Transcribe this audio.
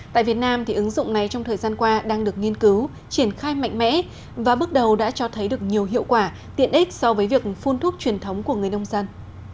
tại việt nam ứng dụng này trong thời gian qua đang được nghiên cứu triển khai mạnh mẽ và bước đầu đã cho thấy được nhiều hiệu quả tiện ích so với việc phun thuốc truyền thống của người nông dân